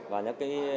và những cái